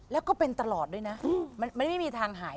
แล้วก็เป็นตลอดด้วยนะมันไม่มีทางหาย